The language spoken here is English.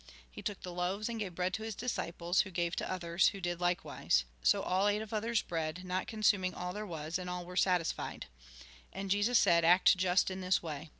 He took the loaves, and gave bread to his disciples, who gave to others, who did likewise. So all ate of others' bread, not consuming all there was, and all were satisfied. And Jesus said :" Act just in this way.